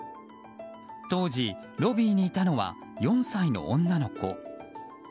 当時、ロビーにいたのは４歳の女の子。